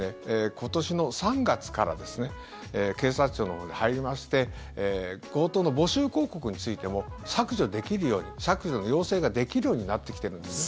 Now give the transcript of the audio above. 今年の３月からですね警察庁のほうで入りまして強盗の募集広告についても削除できるように削除の要請ができるようになってきてるんですね。